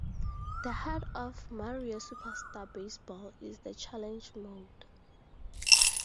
The heart of "Mario Superstar Baseball" is the Challenge Mode.